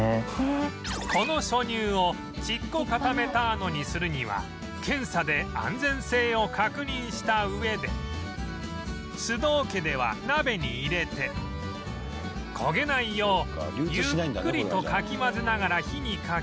この初乳をチッコカタメターノにするには検査で安全性を確認した上で須藤家では鍋に入れて焦げないようゆっくりとかき混ぜながら火にかけ